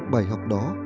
bài học đó